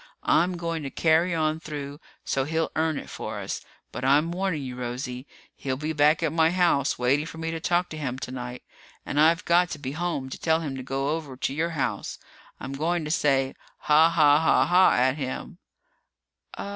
I'm going to carry on through so he'll earn it for us. But I'm warning you, Rosie, he'll be back at my house waiting for me to talk to him tonight, and I've got to be home to tell him to go over to your house. I'm goin' to say 'ha ha, ha ha' at him."